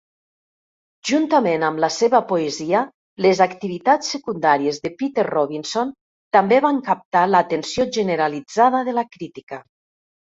Juntament amb la seva poesia, les activitats secundàries de Peter Robinson també van captar l'atenció generalitzada de la crítica.